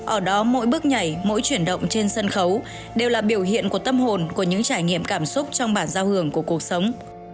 ở đó mỗi bước nhảy mỗi chuyển động trên sân khấu đều là biểu hiện của tâm hồn của những trải nghiệm cảm xúc trong bản giao hưởng của cuộc sống